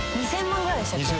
２，０００万ぐらいでしたっけ？